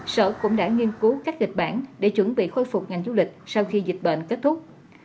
sở cũng đã nghiên cứu các kịch bản để chuẩn bị khôi phục ngành du lịch sau khi dịch bệnh kết thúc